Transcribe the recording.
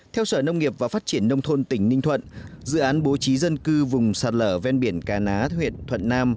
theo sở nông nghiệp và phát triển nông thôn tỉnh ninh thuận dự án bố trí dân cư vùng sạt lở ven biển cà ná huyện thuận nam